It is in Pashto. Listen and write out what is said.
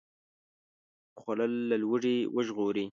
خوړل له لوږې وژغوري